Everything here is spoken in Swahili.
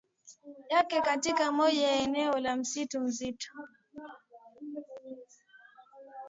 yake katika moja ya eneo la msitu mzito